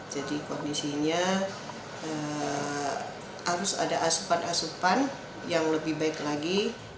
jadi kondisinya harus ada asupan asupan yang lebih baik lagi